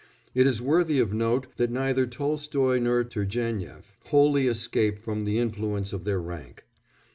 It is worthy of note that neither Tolstoy nor Turgénief wholly escape from the influence of their rank.